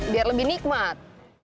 biar lebih nikmat